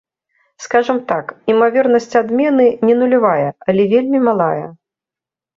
Скажам так, імавернасць адмены не нулявая, але вельмі малая.